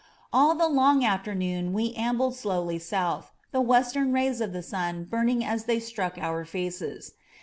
All the long afternoon we ambled slowly south, the western rays of the sun burning as they struck our faces.